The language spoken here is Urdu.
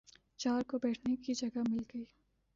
چار کو بیٹھنے کی جگہ مل گئی